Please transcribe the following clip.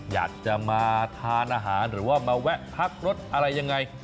อยากจะมาทานอาหารหรือว่ามาแวะพักรถอะไรยังไง